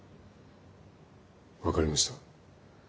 分かりました。